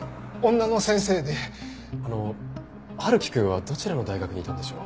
あの春樹くんはどちらの大学にいたんでしょう？